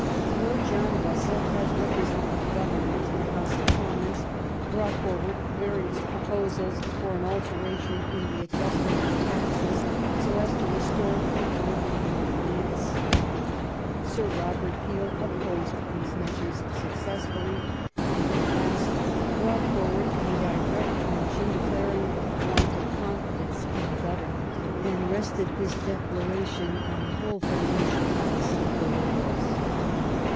Lord John Russell, as representing the Government in the House of Commons, brought forward various pro posals for an alteration in the adjustment of taxes GLADSTONE'S MARRIAGE 83 SO as to restore the equilibrium of finance. Sir Robert Peel opposed these measures successfully, and at last brought forward a direct motion de claring want of confidence in the Government, and rested this declaration on the whole financial policy of the Liberals.